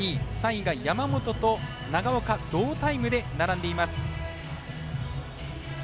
３位が山本と長岡同タイムで並んでいます。